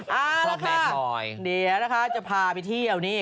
เอาล่ะค่ะเดี๋ยวนะคะจะพาไปเที่ยวนี้